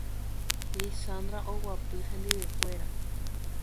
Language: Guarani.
Lizandra oguapy hendivekuéra.